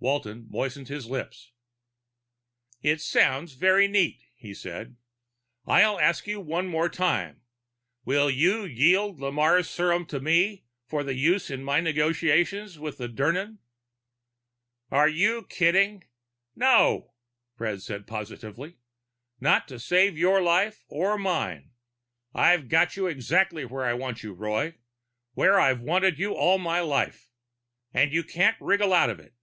Walton moistened his lips. "It sounds very neat," he said. "I'll ask you one more time: will you yield Lamarre's serum to me for use in my negotiations with the Dirnan?" "Are you kidding? No!" Fred said positively. "Not to save your life or mine. I've got you exactly where I want you, Roy. Where I've wanted you all my life. And you can't wriggle out of it."